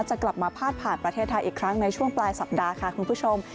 จะกลับมาพาดผ่านประเทศไทยอีกครั้งในช่วงปลายสัปดาห์ค่ะคุณผู้ชม